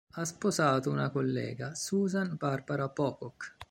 Ha sposato una collega, Susan Barbara Pocock.